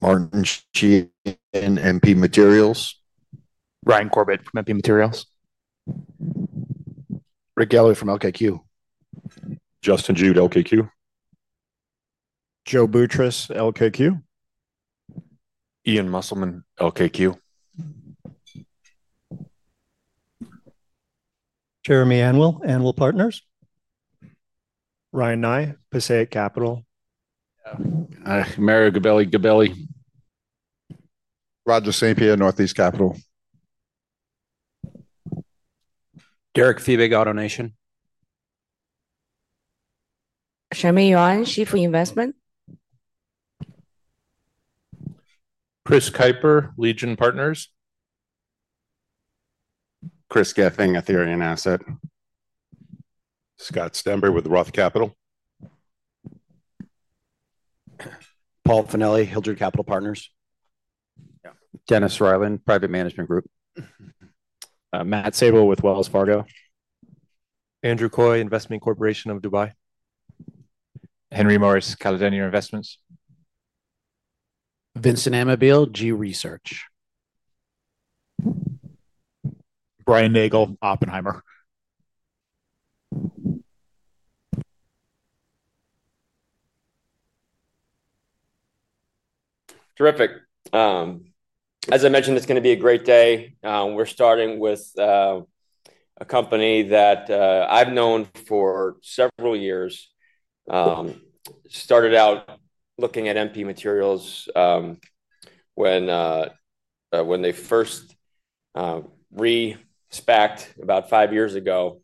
Martin Sheehan, MP Materials. Ryan Corbett from MP Materials. Rick Galloway from LKQ. Justin Jude, LKQ. Joe Boutross, LKQ. Ian Musselman, LKQ. Jeremy Amwell, Amwell Partners. Ryan Nye, Passaic Capital. I Mario Gabelli, Gabelli. Roger Saint-Pierre, Northeast Capital. Derek Fiebig, AutoNation. Shami Yuan, Chief of Investment. Chris Kiper, Legion Partners. Chris Geffing, Ethereum Asset. Scott Stember with ROTH Capital. Paul Fanelli, Hildred Capital Partners. Yeah. Dennis Reiland, Private Management Group. Stuart Sable with Wells Fargo. Andrew Coye, Investment Corporation of Dubai. Henry Morris, Caledonia Investments. Vincent Amabile, G-Research. Brian Nagel, Oppen heimer. Terrific. As I mentioned, it's going to be a great day. We're starting with a company that I've known for several years. Started out looking at MP Materials when they first re-SPACed about five years ago.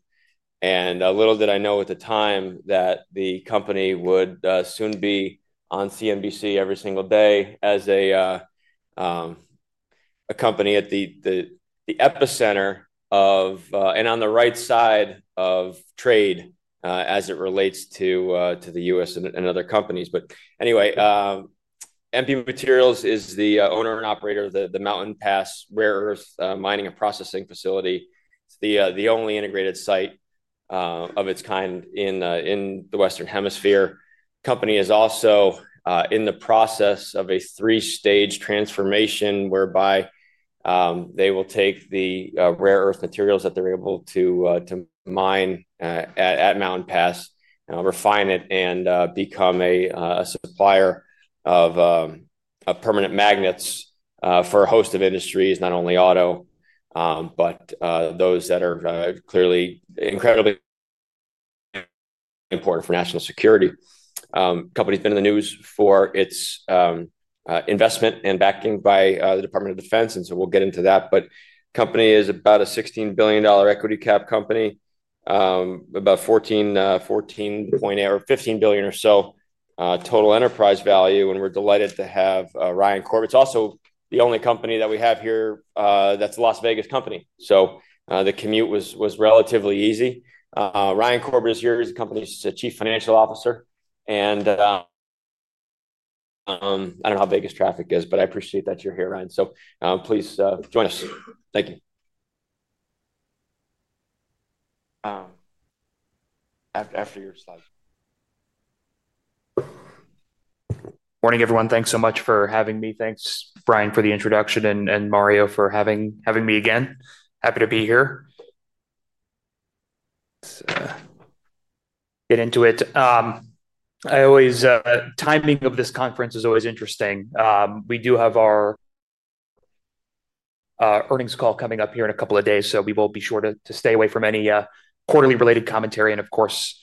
Little did I know at the time that the company would soon be on CNBC every single day as a company at the epicenter of and on the right side of trade as it relates to the U.S. and other companies. But anyway, MP Materials is the owner and operator of the Mountain Pass Rare Earth Mining and Processing Facility. It's the only integrated site of its kind in the Western Hemisphere. The company is also in the process of a three-stage transformation whereby they will take the rare earth materials that they're able to mine at Mountain Pass, refine it, and become a supplier of permanent magnets for a host of industries, not only auto, but those that are clearly incredibly important for national security. The company's been in the news for its investment and backing by the Department of Defense, and so we'll get into that. But the company is about a $16 billion Equity Cap Company. About 14 billion or 15 billion or so total enterprise value, and we're delighted to have Ryan Corbett. It's also the only company that we have here that's a Las Vegas company. So the commute was relatively easy. Ryan Corbett is here. He's the company's Chief Financial Officer. I don't know how big the traffic is, but I appreciate that you're here, Ryan. So please join us. Thank you. After your slides. Morning, everyone. Thanks so much for having me. Thanks, Brian, for the introduction, and Mario for having me again. Happy to be here. Get into it. Timing of this conference is always interesting. We do have our earnings call coming up here in a couple of days, so we will be sure to stay away from any quarterly-related commentary, and of course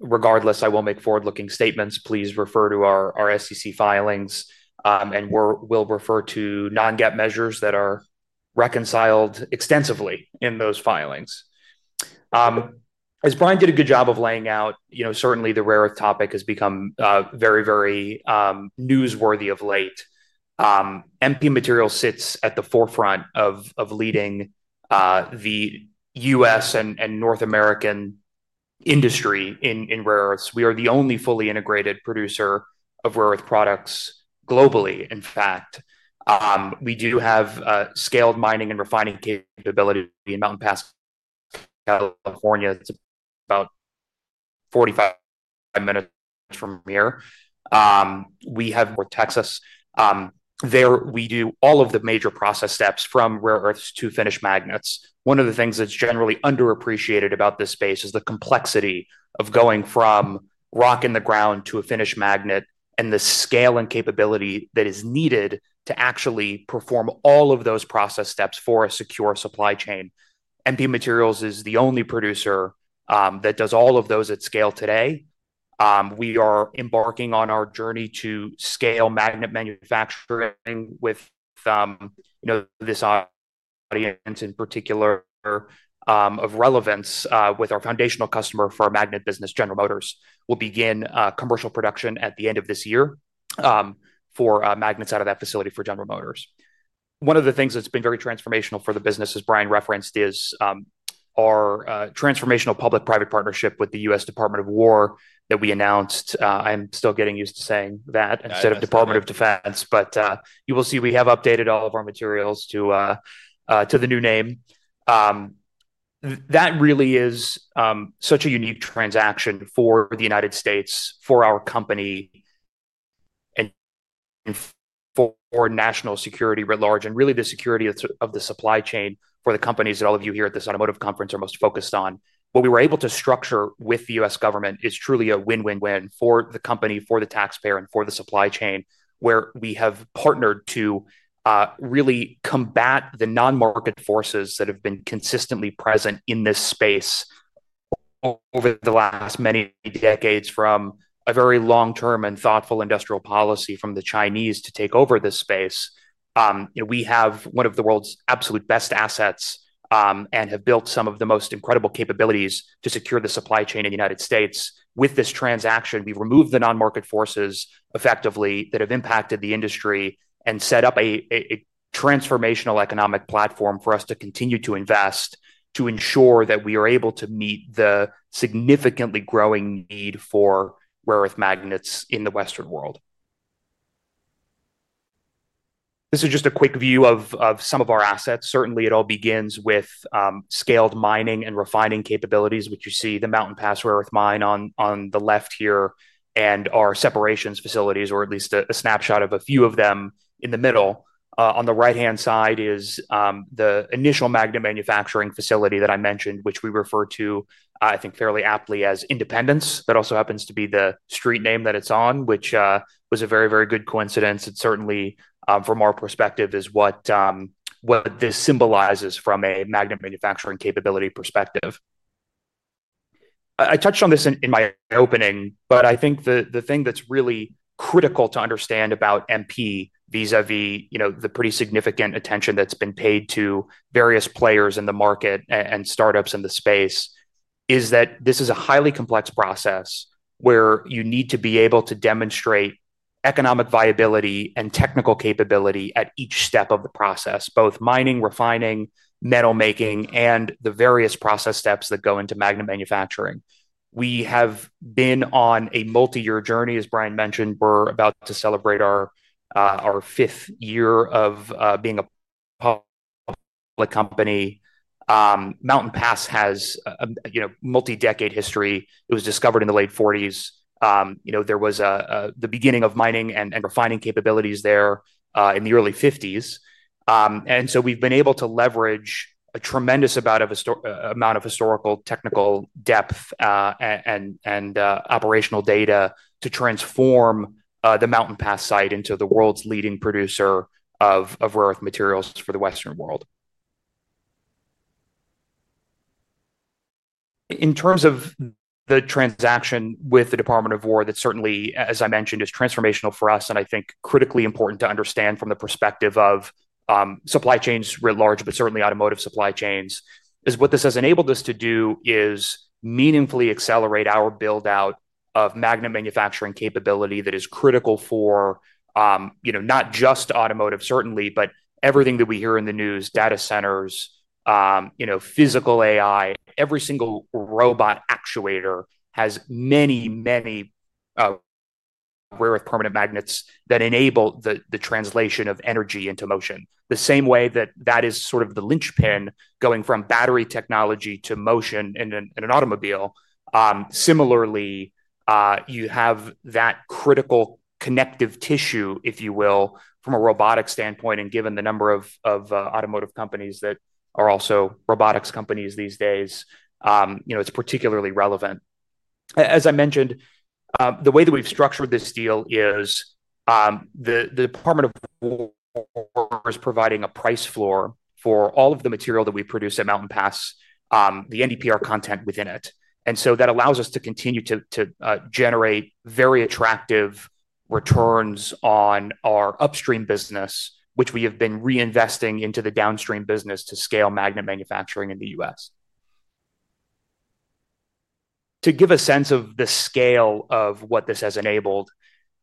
regardless, I will make forward-looking statements. Please refer to our SEC filings, and we'll refer to non-GAAP measures that are reconciled extensively in those filings. As Brian did a good job of laying out, certainly the rare earth topic has become very, very newsworthy of late. MP Materials sits at the forefront of leading the U.S. and North American industry in Rare Earths. We are the only fully integrated producer of rare earth products globally. In fact, we do have scaled mining and refining capability in Mountain Pass, California. It's about 45 minutes from here. We have Texas. There, we do all of the major process steps from rare earths to finished magnets. One of the things that's generally underappreciated about this space is the complexity of going from rock in the ground to a finished magnet and the scale and capability that is needed to actually perform all of those process steps for a secure supply chain. MP Materials is the only producer that does all of those at scale today. We are embarking on our journey to scale magnet manufacturing with this audience in particular of relevance with our foundational customer for our magnet business, General Motors. We'll begin commercial production at the end of this year for magnets out of that facility for General Motors. One of the things that's been very transformational for the business, as Brian referenced, is our transformational public-private partnership with the U.S. Department of War that we announced. I'm still getting used to saying that instead of Department of Defense. But you will see we have updated all of our materials to the new name. That really is such a unique transaction for the United States, for our company, and for national security writ large, and really the security of the supply chain for the companies that all of you here at this automotive conference are most focused on. What we were able to structure with the U.S. government is truly a win-win-win for the company, for the taxpayer, and for the supply chain, where we have partnered to really combat the non-market forces that have been consistently present in this space over the last many decades, from a very long-term and thoughtful industrial policy from the Chinese to take over this space. We have one of the world's absolute best assets and have built some of the most incredible capabilities to secure the supply chain in the United States. With this transaction, we've removed the non-market forces effectively that have impacted the industry and set up a transformational economic platform for us to continue to invest to ensure that we are able to meet the significantly growing need for rare earth magnets in the Western world. This is just a quick view of some of our assets. Certainly, it all begins with scaled mining and refining capabilities, which you see the Mountain Pass rare earth mine on the left here and our separations facilities, or at least a snapshot of a few of them in the middle. On the right-hand side is the initial magnet manufacturing facility that I mentioned, which we refer to, I think, fairly aptly as Independence. That also happens to be the street name that it's on, which was a very, very good coincidence. It certainly, from our perspective, is what this symbolizes from a magnet manufacturing capability perspective. I touched on this in my opening, but I think the thing that's really critical to understand about MP vis-à-vis the pretty significant attention that's been paid to various players in the market and start-ups in the space is that this is a highly complex process. Where you need to be able to demonstrate economic viability and technical capability at each step of the process, both mining, refining, metal making, and the various process steps that go into magnet manufacturing. We have been on a multi-year journey, as Brian mentioned. We're about to celebrate our fifth year of being a public company. Mountain Pass has a multi-decade history. It was discovered in the late 1940s. There was the beginning of mining and refining capabilities there in the early 1950s. And so we've been able to leverage a tremendous amount of historical technical depth and operational data to transform the Mountain Pass site into the world's leading producer of rare earth materials for the Western world. In terms of the transaction with the Department of War, that certainly, as I mentioned, is transformational for us and I think critically important to understand from the perspective of supply chains writ large, but certainly automotive supply chains, is what this has enabled us to do is meaningfully accelerate our build-out of magnet manufacturing capability that is critical for not just automotive, certainly, but everything that we hear in the news, data centers, physical AI, every single robot actuator has many, many rare earth permanent magnets that enable the translation of energy into motion. The same way that that is sort of the linchpin going from battery technology to motion in an automobile. Similarly you have that critical connective tissue, if you will, from a robotics standpoint. And given the number of automotive companies that are also robotics companies these days, it's particularly relevant. As I mentioned, the way that we've structured this deal is the Department of War is providing a price floor for all of the material that we produce at Mountain Pass, the NdPr content within it. And so that allows us to continue to generate very attractive returns on our upstream business, which we have been reinvesting into the downstream business to scale magnet manufacturing in the U.S. To give a sense of the scale of what this has enabled,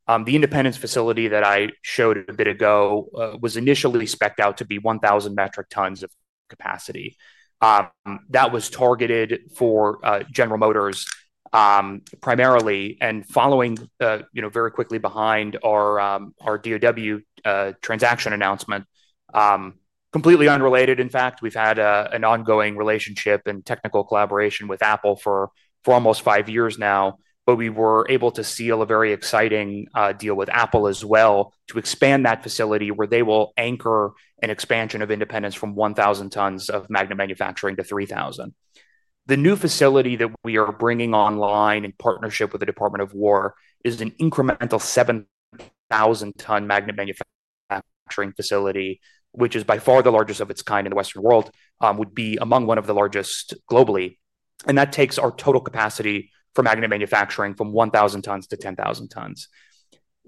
the Independence facility that I showed a bit ago was initially spec'd out to be 1,000 metric tons of capacity. That was targeted for General Motors primarily, and following very quickly behind our DoW transaction announcement. Completely unrelated, in fact, we've had an ongoing relationship and technical collaboration with Apple for almost five years now, but we were able to seal a very exciting deal with Apple as well to expand that facility where they will anchor an expansion of Independence from 1,000 tons of magnet manufacturing to 3,000. The new facility that we are bringing online in partnership with the Department of War is an incremental 7,000 ton magnet manufacturing facility, which is by far the largest of its kind in the Western world, would be among one of the largest globally. And that takes our total capacity for magnet manufacturing from 1,000 tons to 10,000 tons.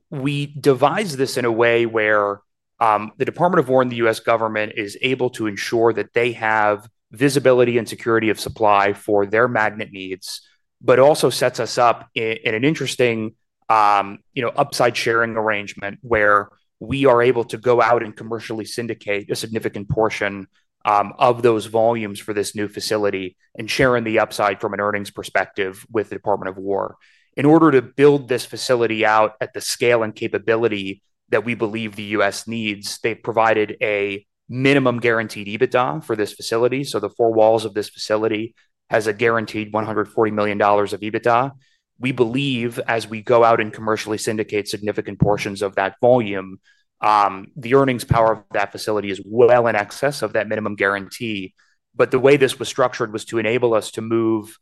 We devised this in a way where the Department of War and the U.S. government is able to ensure that they have visibility and security of supply for their magnet needs, but also sets us up in an interesting upside-sharing arrangement where we are able to go out and commercially syndicate a significant portion of those volumes for this new facility and share in the upside from an earnings perspective with the Department of War. In order to build this facility out at the scale and capability that we believe the U.S. needs, they provided a minimum guaranteed EBITDA for this facility. So the four walls of this facility has a guaranteed $140 million of EBITDA. We believe, as we go out and commercially syndicate significant portions of that volume, the earnings power of that facility is well in excess of that minimum guarantee. But the way this was structured was to enable us to move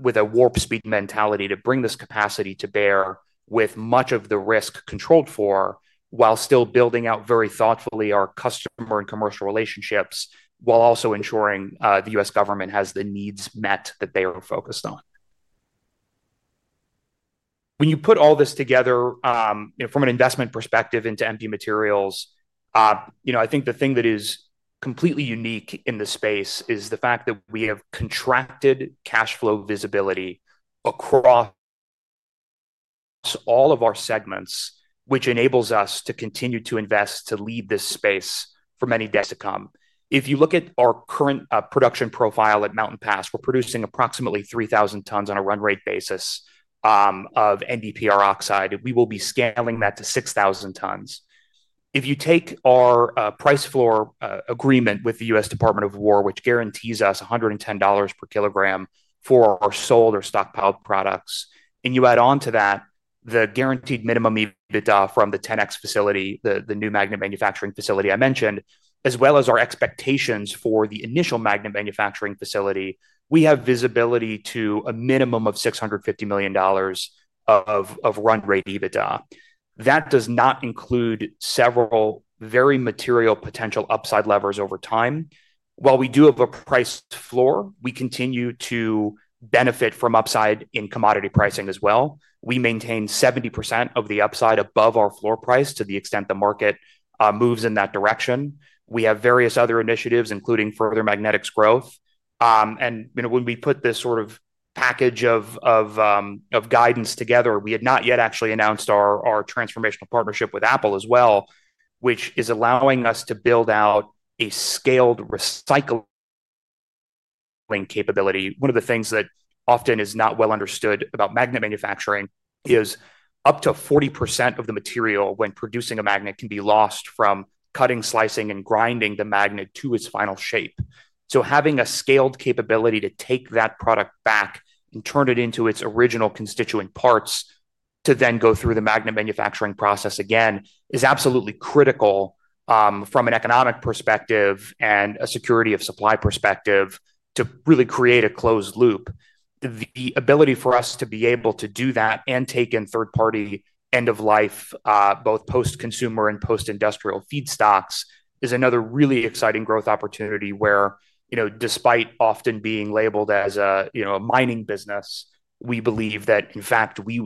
with a warp speed mentality to bring this capacity to bear with much of the risk controlled for, while still building out very thoughtfully our customer and commercial relationships, while also ensuring the U.S. government has the needs met that they are focused on. When you put all this together from an investment perspective into MP Materials, I think the thing that is completely unique in the space is the fact that we have contracted cash flow visibility across all of our segments, which enables us to continue to invest to lead this space for many days to come. If you look at our current production profile at Mountain Pass, we're producing approximately 3,000 tons on a run rate basis of NdPr oxide. We will be scaling that to 6,000 tons. If you take our price floor agreement with the U.S. Department of War, which guarantees us $110 per kg for our sold or stockpiled products, and you add on to that the guaranteed minimum EBITDA from the 10X facility, the new magnet manufacturing facility I mentioned, as well as our expectations for the initial magnet manufacturing facility, we have visibility to a minimum of $650 million of run rate EBITDA. That does not include several very material potential upside levers over time. While we do have a price floor, we continue to benefit from upside in commodity pricing as well. We maintain 70% of the upside above our floor price to the extent the market moves in that direction. We have various other initiatives, including further magnetic growth. And when we put this sort of package of guidance together, we had not yet actually announced our transformational partnership with Apple as well, which is allowing us to build out a scaled recycling capability. One of the things that often is not well understood about magnet manufacturing is up to 40% of the material when producing a magnet can be lost from cutting, slicing, and grinding the magnet to its final shape. So having a scaled capability to take that product back and turn it into its original constituent parts to then go through the magnet manufacturing process again is absolutely critical from an economic perspective and a security of supply perspective to really create a closed loop. The ability for us to be able to do that and take in third-party end-of-life, both post-consumer and post-industrial feedstocks, is another really exciting growth opportunity where, despite often being labeled as a mining business, we believe that, in fact, we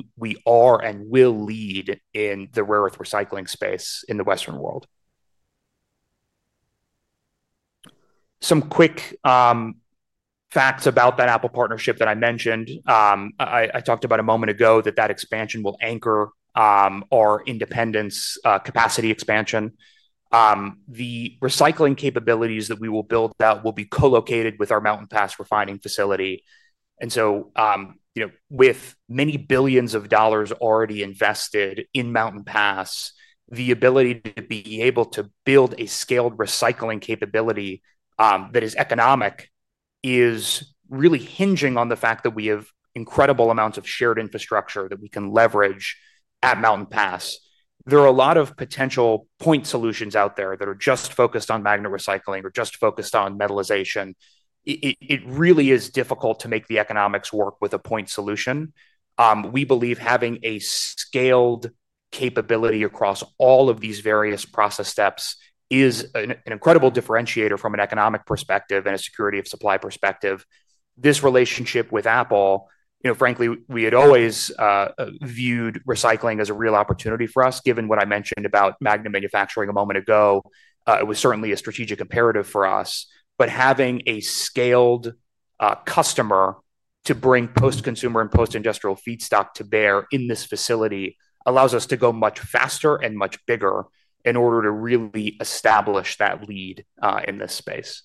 are and will lead in the rare earth recycling space in the Western world. Some quick facts about that Apple partnership that I mentioned a moment ago. That expansion will anchor our independence capacity expansion. The recycling capabilities that we will build out will be co-located with our Mountain Pass refining facility. And so with many billions of dollars already invested in Mountain Pass, the ability to be able to build a scaled recycling capability that is economic is really hinging on the fact that we have incredible amounts of shared infrastructure that we can leverage at Mountain Pass. There are a lot of potential point solutions out there that are just focused on magnet recycling or just focused on metallization. It really is difficult to make the economics work with a point solution. We believe having a scaled capability across all of these various process steps is an incredible differentiator from an economic perspective and a security of supply perspective. This relationship with Apple, frankly, we had always viewed recycling as a real opportunity for us. Given what I mentioned about magnet manufacturing a moment ago, it was certainly a strategic imperative for us. But having a scaled customer to bring post-consumer and post-industrial feedstock to bear in this facility allows us to go much faster and much bigger in order to really establish that lead in this space.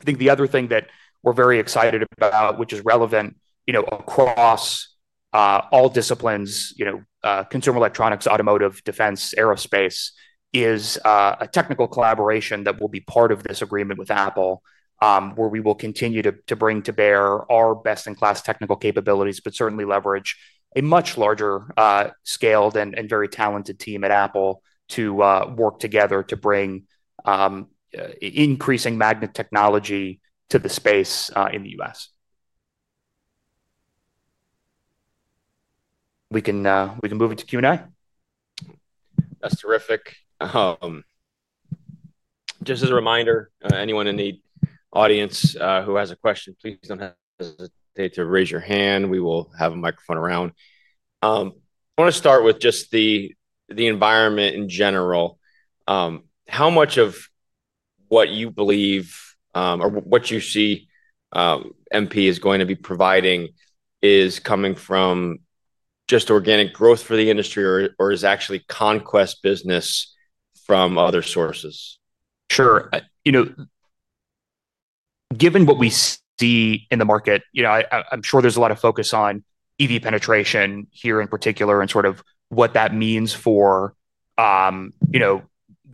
I think the other thing that we're very excited about, which is relevant across all disciplines, consumer electronics, automotive, defense, aerospace, is a technical collaboration that will be part of this agreement with Apple, where we will continue to bring to bear our best-in-class technical capabilities, but certainly leverage a much larger scale and very talented team at Apple to work together to bring increasing magnet technology to the space in the U.S. We can move into Q&A. That's terrific. Just as a reminder, anyone in the audience who has a question, please don't hesitate to raise your hand. We will have a microphone around. I want to start with just the environment in general. How much of what you believe or what you see MP is going to be providing is coming from just organic growth for the industry, or is actually conquest business from other sources? Sure. Given what we see in the market, I'm sure there's a lot of focus on EV penetration here in particular and sort of what that means for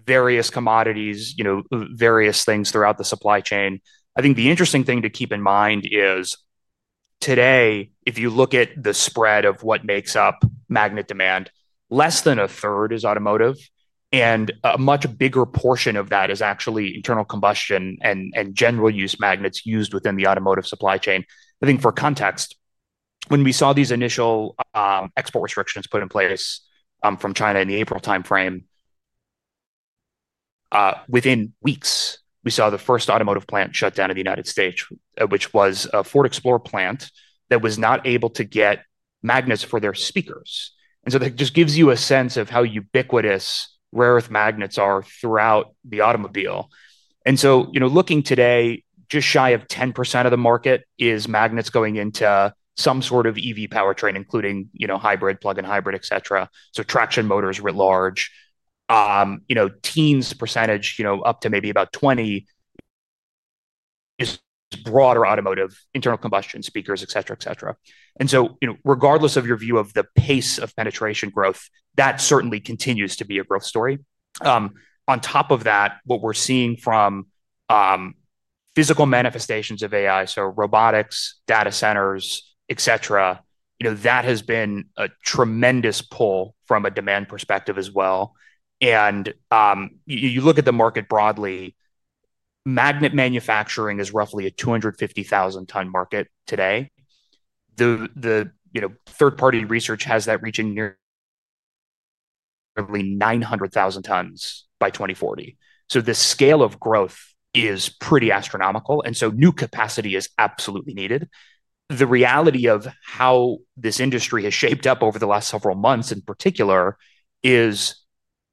various commodities, various things throughout the supply chain. I think the interesting thing to keep in mind is today, if you look at the spread of what makes up magnet demand, less than a third is automotive, and a much bigger portion of that is actually internal combustion and general use magnets used within the automotive supply chain. I think for context, when we saw these initial export restrictions put in place from China in the April timeframe, within weeks, we saw the first automotive plant shut down in the United States, which was a Ford Explorer plant that was not able to get magnets for their speakers. And so that just gives you a sense of how ubiquitous rare earth magnets are throughout the automobile. And so looking today, just shy of 10% of the market is magnets going into some sort of EV powertrain, including hybrid, plug-in hybrid, et cetera. So traction motors writ large. Teens percentage up to maybe about 20%. Is broader automotive, internal combustion, speakers, et cetera, et cetera. And so regardless of your view of the pace of penetration growth, that certainly continues to be a growth story. On top of that, what we're seeing from physical manifestations of AI, so robotics, data centers, et cetera, that has been a tremendous pull from a demand perspective as well. And you look at the market broadly. Magnet manufacturing is roughly a 250,000 ton market today. The third-party research has that reaching nearly 900,000 tons by 2040. So the scale of growth is pretty astronomical. And so new capacity is absolutely needed. The reality of how this industry has shaped up over the last several months in particular is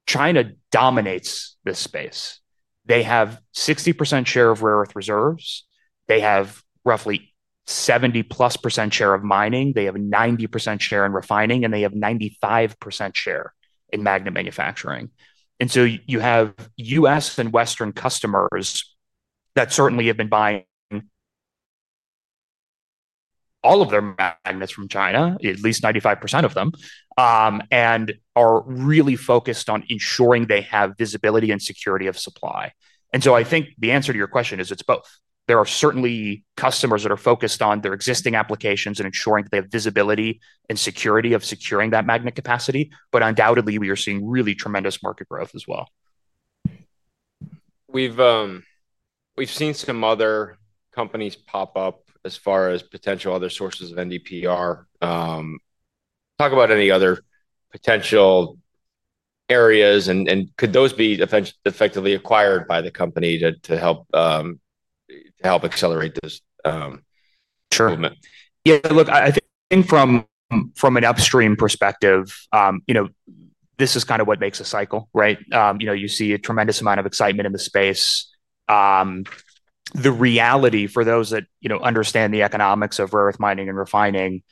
China dominates this space. They have 60% share of rare earth reserves. They have roughly 70%+ share of mining. They have 90% share in refining, and they have 95% share in magnet manufacturing. And so you have U.S. and Western customers that certainly have been buying all of their magnets from China, at least 95% of them, and are really focused on ensuring they have visibility and security of supply. And so I think the answer to your question is it's both. There are certainly customers that are focused on their existing applications and ensuring that they have visibility and security of securing that magnet capacity. But undoubtedly, we are seeing really tremendous market growth as well. We've seen some other companies pop up as far as potential other sources of NdPr. Talk about any other potential areas, and could those be effectively acquired by the company to help accelerate this? Sure. Yeah. Look, I think from an upstream perspective this is kind of what makes a cycle, right? You see a tremendous amount of excitement in the space. The reality, for those that understand the economics of rare earth mining and refining,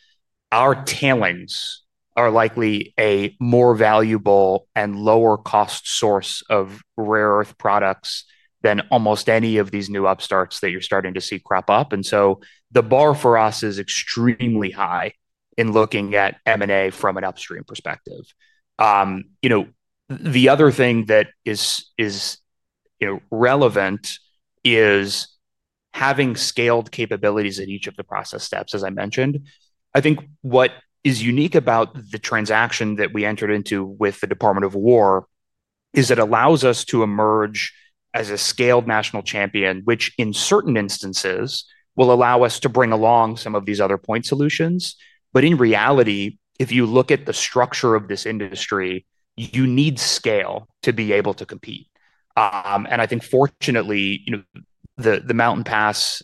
our tailings are likely a more valuable and lower-cost source of rare earth products than almost any of these new upstarts that you're starting to see crop up. And so the bar for us is extremely high in looking at M&A from an upstream perspective. The other thing that is relevant is having scaled capabilities at each of the process steps, as I mentioned. I think what is unique about the transaction that we entered into with the Department of War is it allows us to emerge as a scaled national champion, which in certain instances will allow us to bring along some of these other point solutions. But in reality, if you look at the structure of this industry, you need scale to be able to compete. And I think, fortunately, the Mountain Pass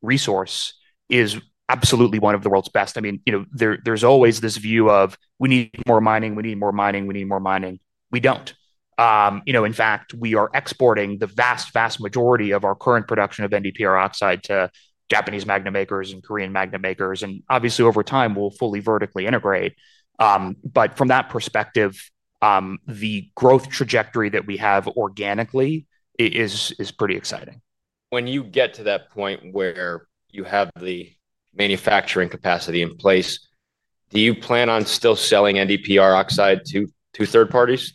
resource is absolutely one of the world's best. I mean, there's always this view of, "We need more mining. We need more mining. We need more mining." We don't. In fact, we are exporting the vast, vast majority of our current production of NdPr oxide to Japanese magnet makers and Korean magnet makers. And obviously, over time, we'll fully vertically integrate. But from that perspective the growth trajectory that we have organically is pretty exciting. When you get to that point where you have the manufacturing capacity in place, do you plan on still selling NdPr oxide to third parties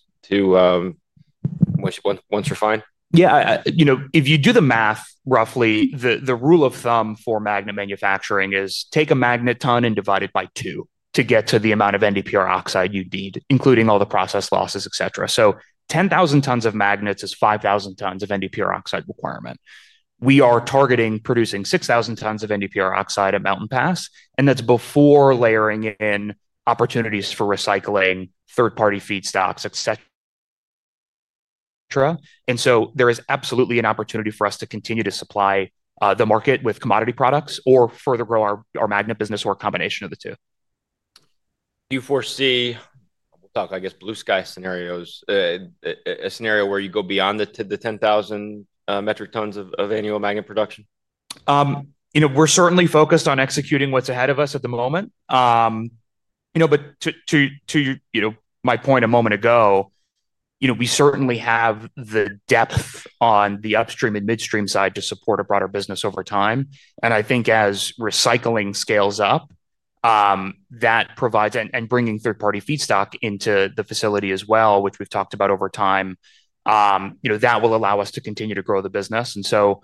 once refined? Yeah. If you do the math, roughly, the rule of thumb for magnet manufacturing is take a magnet ton and divide it by two to get to the amount of NdPr oxide you need, including all the process losses, et cetera. So 10,000 tons of magnets is 5,000 tons of NdPr oxide requirement. We are targeting producing 6,000 tons of NdPr oxide at Mountain Pass, and that's before layering in opportunities for recycling, third-party feedstocks, et cetera. And so there is absolutely an opportunity for us to continue to supply the market with commodity products or further grow our magnet business or a combination of the two. Do you foresee, we'll talk, I guess, blue sky scenarios. A scenario where you go beyond the 10,000 metric tons of annual magnet production? We're certainly focused on executing what's ahead of us at the moment. But to my point a moment ago. We certainly have the depth on the upstream and midstream side to support a broader business over time. And I think as recycling scales up. That provides and bringing third-party feedstock into the facility as well, which we've talked about over time, that will allow us to continue to grow the business. And so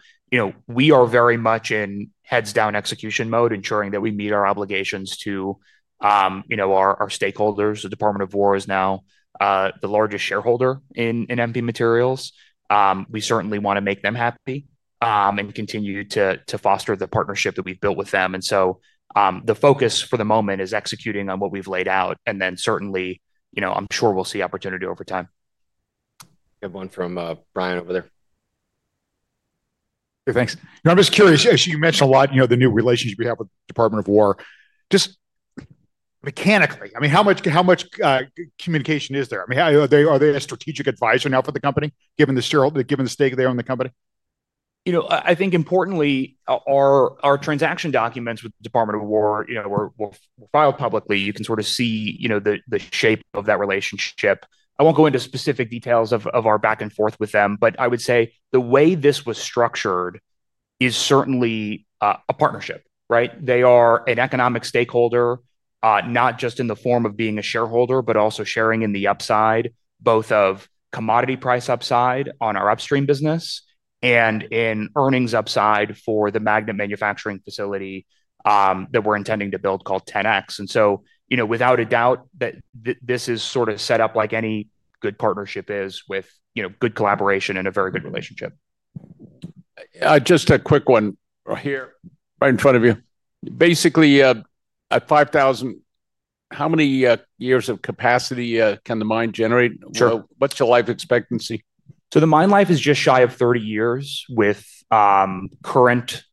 we are very much in heads-down execution mode, ensuring that we meet our obligations to our stakeholders. The U.S. Department of War is now the largest shareholder in MP Materials. We certainly want to make them happy and continue to foster the partnership that we've built with them. And so the focus for the moment is executing on what we've laid out. And then certainly, I'm sure we'll see opportunity over time. I have one from Stember here. Thanks. I'm just curious. You mentioned a lot of the new relationship we have with the U.S. Department of War. Just mechanically, I mean, how much communication is there? I mean, are they a strategic advisor now for the company, given the stake they own the company? I think, importantly, our transaction documents with the U.S. Department of War were filed publicly. You can sort of see the shape of that relationship. I won't go into specific details of our back and forth with them, but I would say the way this was structured is certainly a partnership, right? They are an economic stakeholder, not just in the form of being a shareholder, but also sharing in the upside, both of commodity price upside on our upstream business. And in earnings upside for the magnet manufacturing facility that we're intending to build called 10X. And so without a doubt that this is sort of set up like any good partnership is with good collaboration and a very good relationship. Just a quick one right here right in front of you. Basically, at 5,000, how many years of capacity can the mine generate? What's the life expectancy? So the mine life is just shy of 30 years with current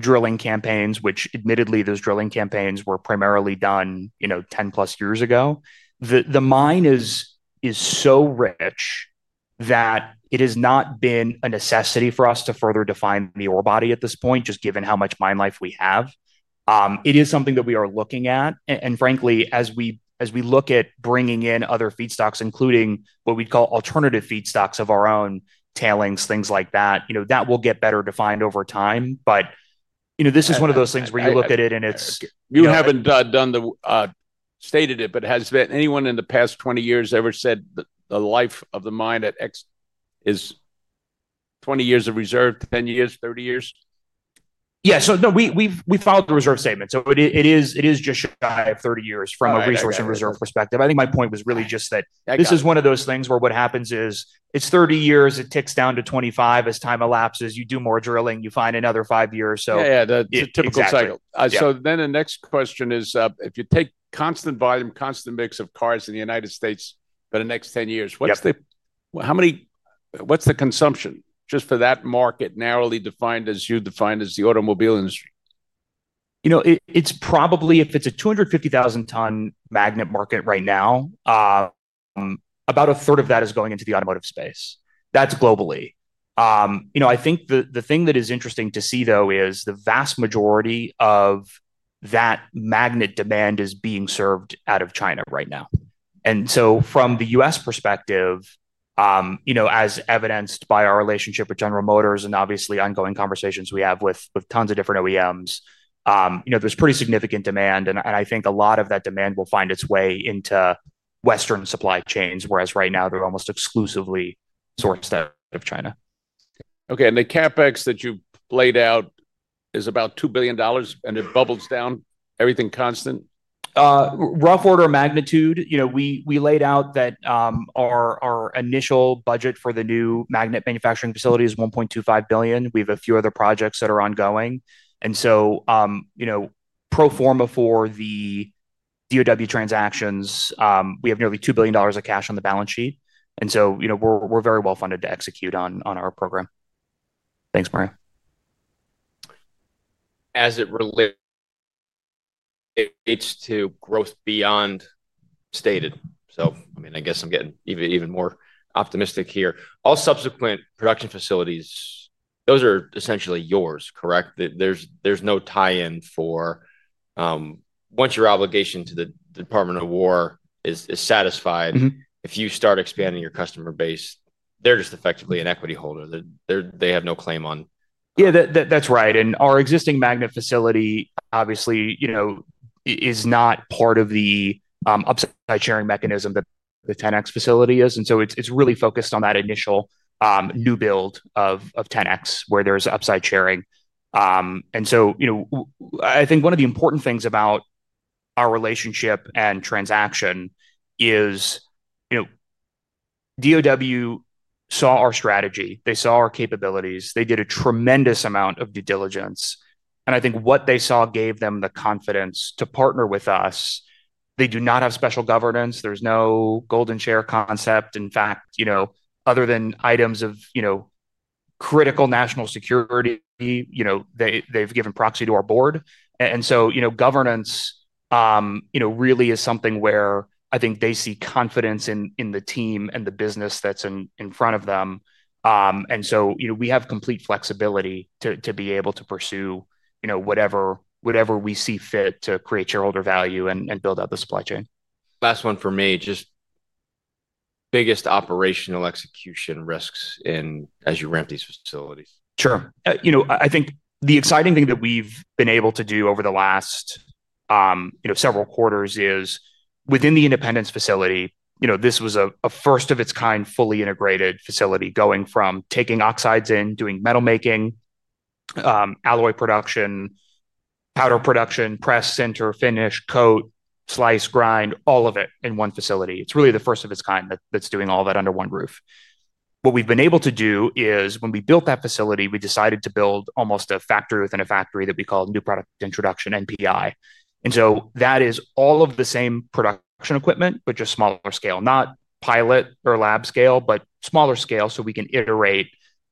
drilling campaigns, which admittedly, those drilling campaigns were primarily done 10+ years ago. The mine is so rich that it has not been a necessity for us to further define the ore body at this point, just given how much mine life we have. It is something that we are looking at. And frankly, as we look at bringing in other feedstocks, including what we'd call alternative feedstocks of our own, tailings, things like that, that will get better defined over time. But this is one of those things where you look at it and it's... You haven't stated it, but has anyone in the past 20 years ever said the life of the mine at X is 20 years of reserve, 10 years, 30 years? Yeah. So no, we followed the reserve statement. So it is just shy of 30 years from a resource and reserve perspective. I think my point was really just that this is one of those things where what happens is it's 30 years, it ticks down to 25 as time elapses, you do more drilling, you find another five years. So it's a typical cycle. So then the next question is, if you take constant volume, constant mix of cars in the United States for the next 10 years, what's the consumption just for that market narrowly defined as you defined as the automobile industry? It's probably, if it's a 250,000 ton magnet market right now. About a third of that is going into the automotive space. That's globally. I think the thing that is interesting to see, though, is the vast majority of that magnet demand is being served out of China right now. And so from the U.S. perspective. As evidenced by our relationship with General Motors and obviously ongoing conversations we have with tons of different OEMs, there's pretty significant demand. And I think a lot of that demand will find its way into Western supply chains, whereas right now, they're almost exclusively sourced out of China. Okay. And the CapEx that you laid out is about $2 billion, and it bubbles down, everything constant? Rough order magnitude, we laid out that our initial budget for the new magnet manufacturing facility is $1.25 billion. We have a few other projects that are ongoing. And so pro forma for the DoW transactions, we have nearly $2 billion of cash on the balance sheet. And so we're very well funded to execute on our program. Thanks, Brian. As it relates to growth beyond stated. So I mean, I guess I'm getting even more optimistic here. All subsequent production facilities, those are essentially yours, correct? There's no tie-in for once your obligation to the Department of War is satisfied, if you start expanding your customer base, they're just effectively an equity holder. They have no claim on. Yeah, that's right. And our existing magnet facility, obviously, is not part of the upside sharing mechanism that the 10X facility is. And so it's really focused on that initial new build of 10X where there's upside sharing. And so I think one of the important things about our relationship and transaction is DoW saw our strategy. They saw our capabilities. They did a tremendous amount of due diligence. And I think what they saw gave them the confidence to partner with us. They do not have special governance. There's no golden share concept. In fact, other than items of critical national security, they've given proxy to our board. And so governance really is something where I think they see confidence in the team and the business that's in front of them. And so we have complete flexibility to be able to pursue whatever we see fit to create shareholder value and build out the supply chain. Last one for me, just biggest operational execution risks as you ramp these facilities. Sure. I think the exciting thing that we've been able to do over the last several quarters is within the Independence facility, this was a first-of-its-kind fully integrated facility going from taking oxides in, doing metal making, alloy production, powder production, press, sinter, finish, coat, slice, grind, all of it in one facility. It's really the first of its kind that's doing all that under one roof. What we've been able to do is when we built that facility, we decided to build almost a factory within a factory that we call new product introduction, NPI. And so that is all of the same production equipment, but just smaller scale, not pilot or lab scale, but smaller scale so we can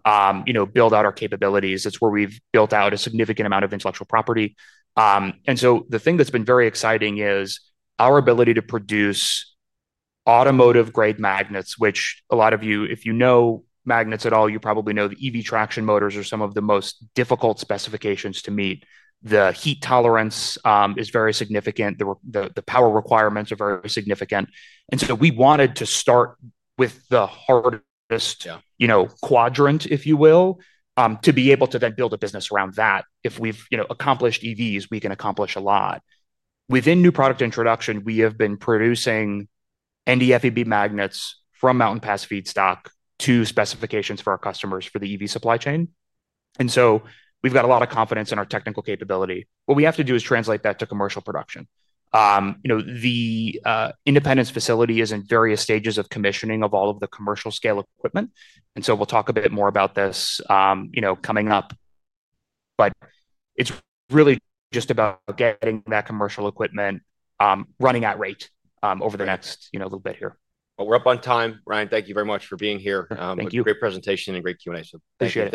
iterate, build out our capabilities. It's where we've built out a significant amount of intellectual property. And so the thing that's been very exciting is our ability to produce automotive-grade magnets, which a lot of you, if you know magnets at all, you probably know the EV traction motors are some of the most difficult specifications to meet. The heat tolerance is very significant. The power requirements are very significant. And so we wanted to start with the hardest quadrant, if you will, to be able to then build a business around that. If we've accomplished EVs, we can accomplish a lot. Within new product introduction, we have been producing NdFeB magnets from Mountain Pass feedstock to specifications for our customers for the EV supply chain. And so we've got a lot of confidence in our technical capability. What we have to do is translate that to commercial production. The Independence facility is in various stages of commissioning of all of the commercial-scale equipment. And so we'll talk a bit more about this coming up. But it's really just about getting that commercial equipment running at rate over the next little bit here. Well, we're up on time, Ryan. Thank you very much for being here. Thank you. Great presentation and great Q&A. So appreciate it.